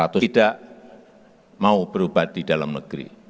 seratus tidak mau berubat di dalam negeri